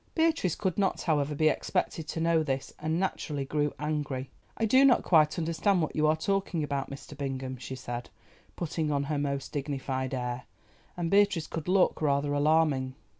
Beatrice could not, however, be expected to know this, and naturally grew angry. "I do not quite understand what you are talking about, Mr. Bingham," she said, putting on her most dignified air, and Beatrice could look rather alarming.